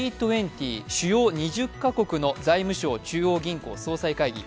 Ｇ２０＝主要２０か国の財務相・中央銀行総裁会議